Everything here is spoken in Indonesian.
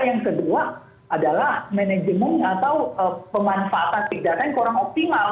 yang kedua adalah manajemen atau pemanfaatan pidana yang kurang optimal